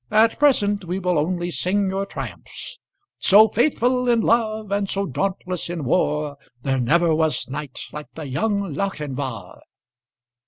At present we will only sing your triumphs "So faithful in love, and so dauntless in war, There never was knight like the young Lochinvar."